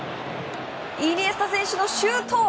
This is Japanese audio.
イニエスタ選手のシュート！